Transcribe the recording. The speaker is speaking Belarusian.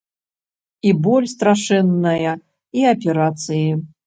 І боль страшэнная, і аперацыі.